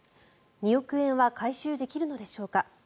２億円は回収できるのでしょうか。